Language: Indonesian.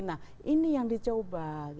nah ini yang dicoba